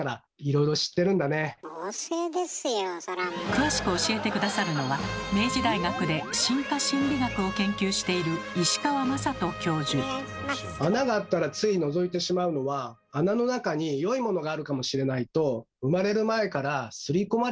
詳しく教えて下さるのは明治大学で進化心理学を研究している穴があったらついのぞいてしまうのはこちらのかわいい猫ちゃん。